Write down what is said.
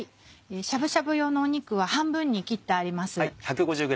しゃぶしゃぶ用の肉は半分に切ってあります。